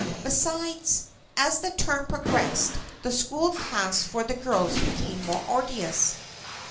Besides, as the term progressed, the school tasks for the girls became more arduous.